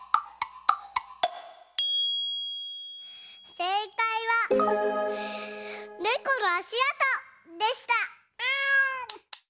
せいかいは「ネコのあしあと」でした！